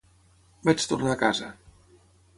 Vaig tornar a casa.